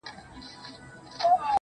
کومه چرته لرې یو څو شپې له زندګۍ